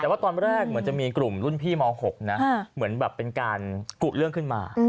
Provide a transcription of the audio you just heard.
แต่ว่าตอนแรกเหมือนจะมีกลุ่มรุ่นพี่ม๖นะเหมือนแบบเป็นการกุเรื่องขึ้นมา